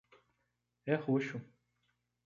É roxo.